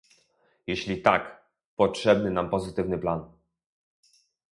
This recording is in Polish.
Jeśli tak, potrzebny nam pozytywny plan